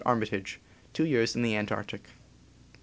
Armitage, Two Years in the Antarctic.